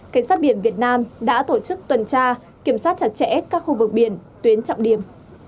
cảnh sát biển việt nam đã tổ chức tuần tra kiểm soát chặt chẽ các khu vực biển tuyến trọng điểm